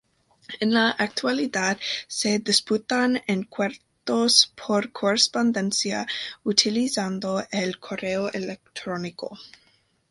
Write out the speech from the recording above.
En la actualidad se disputan encuentros por correspondencia utilizando el correo electrónico.